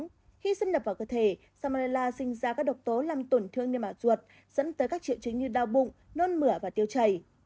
khi xâm nhập vào cơ thể salmonella sinh ra các độc tố làm tổn thương niêm ả ruột dẫn tới các triệu chứng như đau bụng nôn mửa và tiêu chảy